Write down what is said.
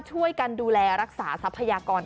ช่วยกันดูแลรักษาทรัพยากร